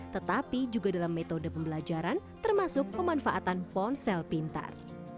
tetapi juga dalam metode pembelajaran termasuk pemanfaatan ponsel pintar